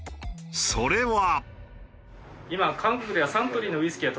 それは。